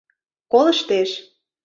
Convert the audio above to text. Колыштеш.